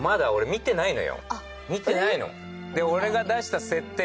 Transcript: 見てないの。